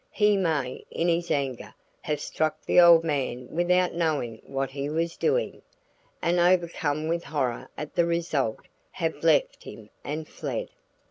He may, in his anger, have struck the old man without knowing what he was doing, and overcome with horror at the result, have left him and fled.